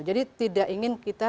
jadi tidak ingin kita